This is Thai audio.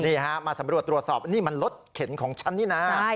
นี่ฮะมาสำรวจตรวจสอบนี่มันรถเข็นของฉันนี่นะ